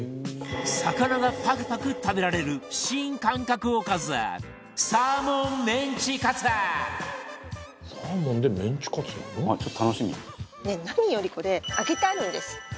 魚がパクパク食べられる新感覚おかず何よりこれ揚げてあるんです。